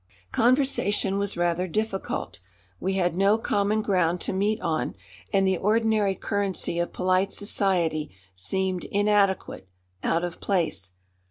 Conversation was rather difficult. We had no common ground to meet on, and the ordinary currency of polite society seemed inadequate, out of place.